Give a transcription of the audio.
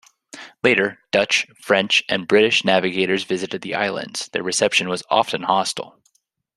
Later, Dutch, French and British navigators visited the islands; their reception was often hostile.